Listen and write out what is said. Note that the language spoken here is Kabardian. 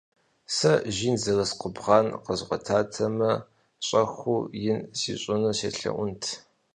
Сэ жин зэрыс къубгъан къэзгъуэтатэмэ, щӏэхыу ин сищӏыну селъэӏунут.